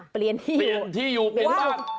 เปลี่ยนที่อยู่เปลี่ยนบ้าน